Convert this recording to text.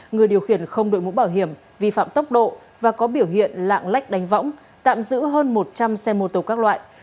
người điều khiển không đội mũ bảo hiểm vi phạm tốc độ và có biểu hiện lạng lách đánh võng tạm giữ hơn một trăm linh xe mô tô các loại